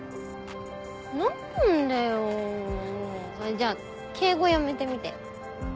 じゃあ敬語やめてみて。